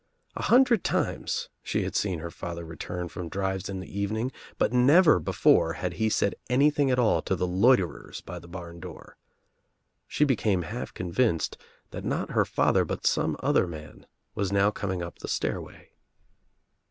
A hundred times she had seen her father return from drives in the evening but never before had he said anything at all to the loiterers by the barn door. She became half convinced that not her father but some other man was now coming up the stairway.